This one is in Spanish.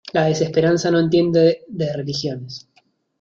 la desesperanza no entiende de religiones.